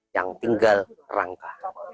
yang tinggal rangka